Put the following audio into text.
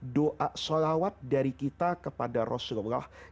doa salawat dari kita kepada rasulullah saw